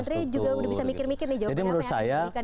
mbak andri juga sudah bisa mikir mikir nih jawabannya